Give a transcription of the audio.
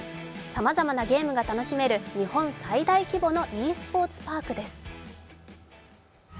さまざまなゲームが楽しめる日本最大規模のｅスポーツパークです。